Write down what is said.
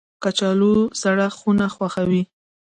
کچالو سړه خونه خوښوي